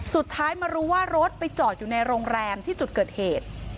สุดท้ายมารู้ว่ารถไปจอดอยู่ในโรงแรมที่จุดเกิดเหตุ